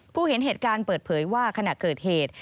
เห็นเหตุการณ์เปิดเผยว่าขณะเกิดเหตุ